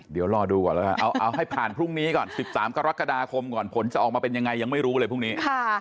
เดี๋ยวรอดูก่อนแล้วกันเอาให้ผ่านพรุ่งนี้ก่อน๑๓กรกฎาคมก่อนผลจะออกมาเป็นยังไงยังไม่รู้เลยพรุ่งนี้